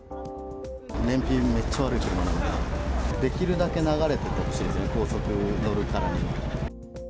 燃費めっちゃ悪い車なんで、できるだけ流れていてほしいですよね、高速乗るからには。